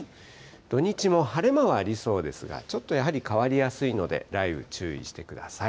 土日も晴れ間はありそうですが、ちょっとやはり変わりやすいので、雷雨、注意してください。